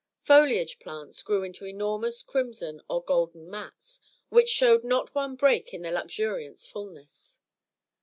Foliage plants grew into enormous crimson or golden mats, which showed not one break in their luxuriant fulness.